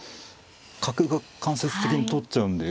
角が間接的に通っちゃうんで。